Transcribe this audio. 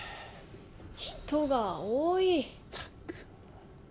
人が多い・